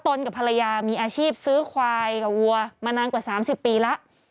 กับภรรยามีอาชีพซื้อควายกับวัวมานานกว่า๓๐ปีแล้ว